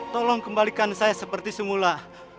tolong kembalikan saya seperti semula